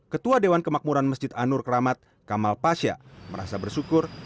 ketua dewan kemakmuran masjid anur keramat kamal pasha merasa bersyukur